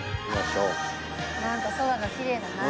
なんか空がきれいだなあ。